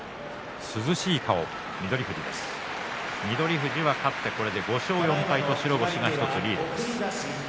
富士は勝って、これで５勝４敗と白星が１つリードです。